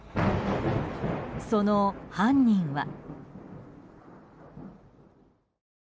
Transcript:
その犯人は。